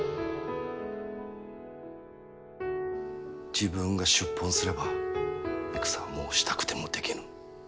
自分が出奔すれば戦はもうしたくてもできぬ。